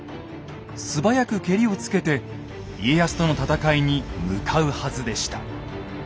素早くけりをつけて家康との戦いに向かうはずでした。